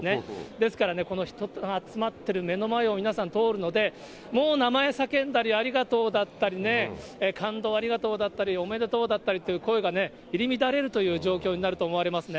ですからね、この人が集まっている目の前を皆さん通るので、もう名前叫んだり、ありがとうだったりね、感動をありがとうだったり、おめでとうだったりという声がね、入り乱れるという状況になると思いますね。